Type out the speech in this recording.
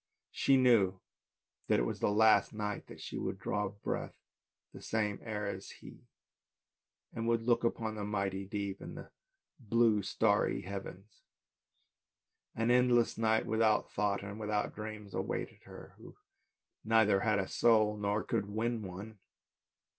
She knew that it was the last night that she would breathe the same air as he, and would look upon the mighty deep, and the blue starry heavens; an endless night without thought and without dreams awaited her, who neither had a soul, nor could win one.